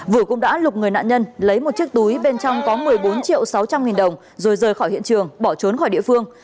vũ cũng đã lục người nạn nhân lấy một chiếc túi bên trong có một mươi bốn triệu sáu trăm linh nghìn đồng rồi rời khỏi hiện trường bỏ trốn khỏi địa phương